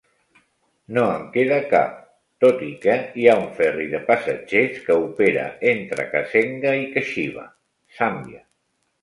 No en queda cap, tot i que hi ha un ferri de passatgers que opera entre Kasenga i Kashiba, Zàmbia.